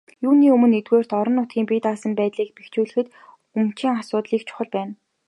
Юуны өмнө, нэгдүгээрт, орон нутгийн бие даасан байдлыг бэхжүүлэхэд өмчийн асуудал их чухал байна.